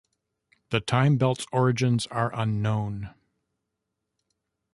The Time-belt's origins are unknown.